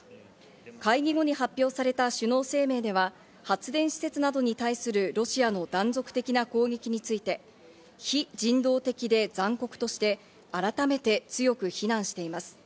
会議後に発表された首脳声明では発電施設などに対するロシアの断続的な攻撃について、非人道的で残酷として改めて、強く非難しています。